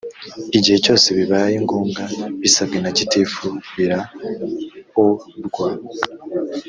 igihe cyose bibaye ngombwa bisabwe na gitifu biraorwa